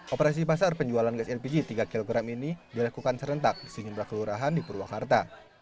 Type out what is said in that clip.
operasi pasar penjualan gas lpg tiga kg ini dilakukan serentak di sejumlah kelurahan di purwakarta